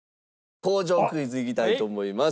工場クイズいきたいと思います。